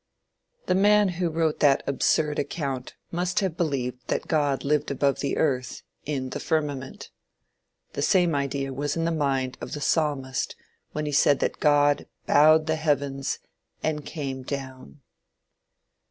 The man who wrote that absurd account must have believed that God lived above the earth, in the firmament. The same idea was in the mind of the Psalmist when he said that God "bowed the heavens and came down."